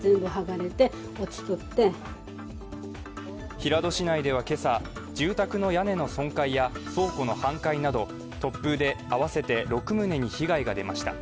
平戸市内では今朝、住宅の屋根の損壊や倉庫の半壊など突風で合わせて６棟に被害が出ました。